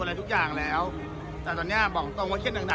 อะไรทุกอย่างแล้วแต่ตอนเนี้ยบอกตรงว่าเครียดหนัก